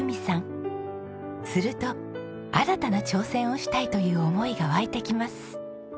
すると新たな挑戦をしたいという思いが湧いてきます。